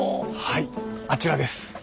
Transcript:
はいあちらです。